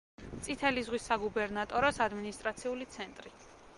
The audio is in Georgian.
წითელი ზღვის საგუბერნატოროს ადმინისტრაციული ცენტრი.